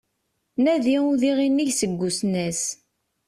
Nadi udiɣ inig seg usnas